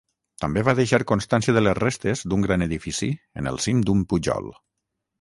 També va deixar constància de les restes d'un gran edifici en el cim d'un pujol.